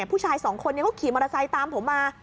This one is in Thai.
ผู้ชายสองคนนี้เขาขี่มอเตอร์ไซค์ตามผมมา